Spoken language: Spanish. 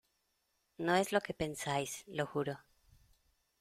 No es lo que pensáis, lo juro.